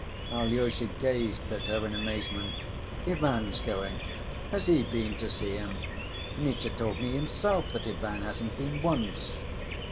Alyosha gazed at her in amazement. "Ivan's going? Has he been to see him? Mitya told me himself that Ivan hasn't been once."